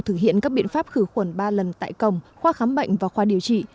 thực hiện các biện pháp khử khuẩn ba lần tại cổng khoa khám bệnh và khoa điều trị